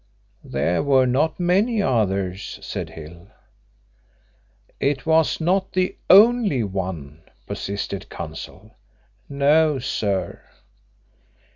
"There were not many others," said Hill. "It was not the only one?" persisted Counsel. "No, sir."